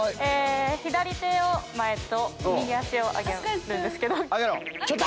左手を前と右脚を上げるんですけど。